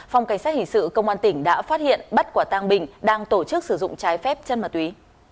phòng cảnh sát hình sự công an tỉnh đã phát hiện bắt quả tang bình đang tổ chức sử dụng trái phép chân ma túy